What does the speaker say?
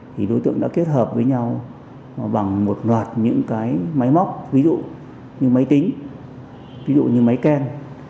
thì đối tượng đã kết hợp với nhau bằng một loạt những cái máy móc ví dụ như máy tính ví dụ như máy ken